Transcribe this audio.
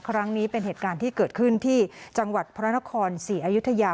ครั้งนี้เป็นเหตุการณ์ที่เกิดขึ้นที่จังหวัดพระนครศรีอยุธยา